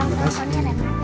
ulang tahunnya rena